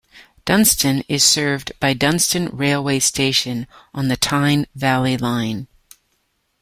Dunston is served by Dunston railway station, on the Tyne Valley Line.